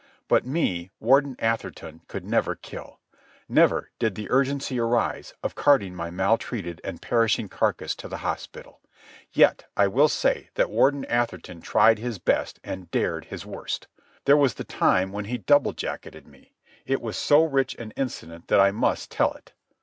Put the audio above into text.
But me Warden Atherton could never kill. Never did the urgency arise of carting my maltreated and perishing carcass to the hospital. Yet I will say that Warden Atherton tried his best and dared his worst. There was the time when he double jacketed me. It is so rich an incident that I must tell it.